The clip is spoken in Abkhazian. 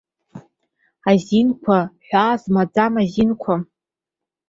Азинқәа, ҳәаа змаӡам азинқәа!